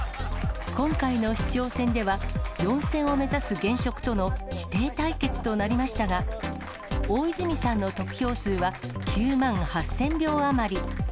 今回の市長選では、４選を目指す現職との師弟対決となりましたが、大泉さんの得票数は９万８０００票余り。